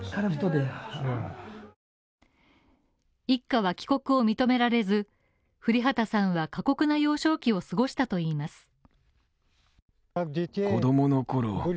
一家は帰国を認められず、降旗さんは過酷な幼少期を過ごしたといいます。